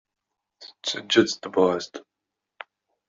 Tettaǧǧa-tt tebɣest.